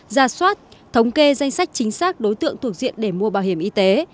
ra soát thống kê danh sách chính xác đối tượng thuộc diện để mua bảo hiểm y tế